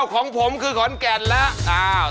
ของผมคือขอนแก่นแล้ว